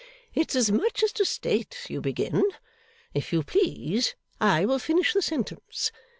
It's as much as to state, you begin. If you please, I will finish the sentence.